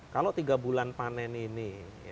kalau tiga bulan panen ini